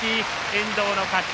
遠藤の勝ち。